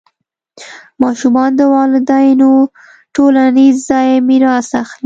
ماشومان د والدینو ټولنیز ځای میراث اخلي.